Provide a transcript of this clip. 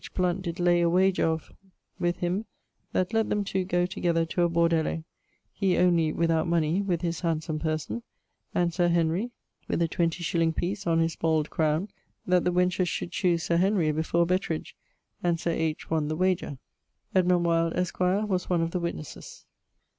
Blount did lay a wager of ... with him that let them two goe together to a bordello; he only (without money) with his handsome person, and Sir Henry with a XX_s._ piece on his bald crowne, that the wenches should choose Sir Henry before Betridge; and Sir H. won the wager. E W, esq., was one of the witnesses.